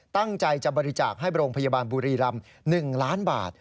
ตั้งใจจะบริจาคให้โรงพยาบาลบุรีรำ๑ล้านบาท